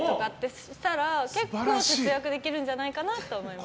そしたら、結構節約できるんじゃないかなと思います。